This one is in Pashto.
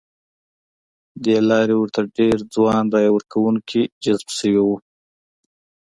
ه دې لارې ورته ډېر ځوان رایه ورکوونکي جذب شوي وو.